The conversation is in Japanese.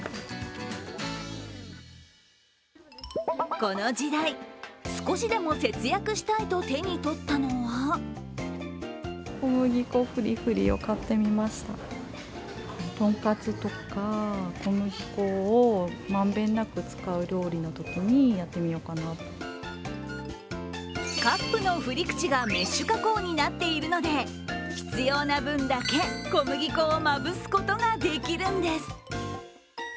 この時代、少しでも節約したいと手にとったのはカップの振り口がメッシュ加工になっているため必要な分だけ小麦粉をまぶすことができるんです。